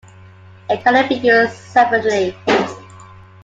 It cannot be used separately.